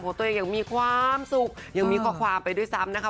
ตัวเองยังมีความสุขยังมีข้อความไปด้วยซ้ำนะคะ